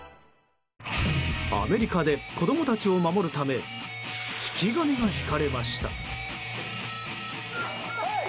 アメリカで子供たちを守るため引き金が引かれました。